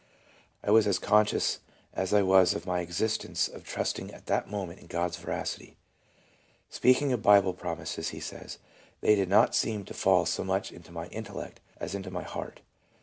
I was as conscious as I was of my exist ence of trusting at that moment in God's veracity." Speak ing of Bible promises he says :" They did not seem to fall so much into my intellect as into my heart."